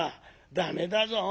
駄目だぞ。